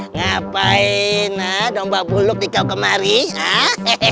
ngapain domba buluk di kau kemarin